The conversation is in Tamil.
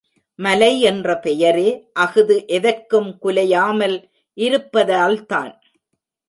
மலை என்ற பெயரே அஃது எதற்கும் குலையாமல் இருப்பதால்தான்.